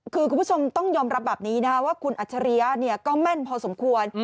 คือคุณผู้ชมต้องยอมรับแบบนี้นะว่าคุณอัจฉริยะก็แม่นพอสมควร